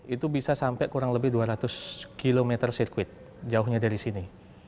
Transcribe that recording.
itu bisa sampai kurang lebih dua ratus km sirkuit jauhnya dari sini